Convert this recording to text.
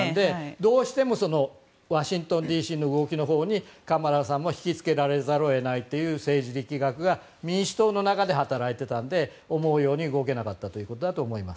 どうしてもワシントンＤＣの動きのほうにカマラさんも引き付けざるを得ないという政治力学が民主党の中で働いていたので思うように動けなかったということだと思います。